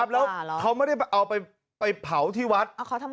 แล้วเขาไม่ได้เอาไปเผาที่วัด